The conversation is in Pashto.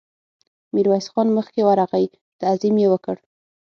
ميرويس خان مخکې ورغی، تعظيم يې وکړ.